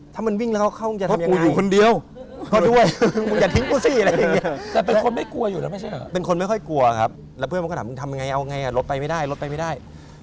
ถ้ามันวิ่งแล้วเข้ามึงจะทำยังไง